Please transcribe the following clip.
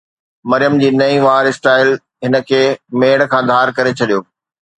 مريم جي نئين وار اسٽائل هن کي ميڙ کان ڌار ڪري ڇڏيو.